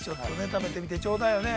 食べてみてちょうだいよね。